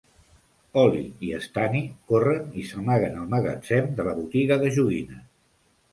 Ollie i Stannie corren i s'amaguen al magatzem de la botiga de joguines.